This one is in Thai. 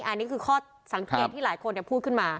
อันนี้คือข้อสังเกตที่หลายคนพูดขึ้นมา